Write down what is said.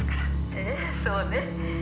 「ええそうね」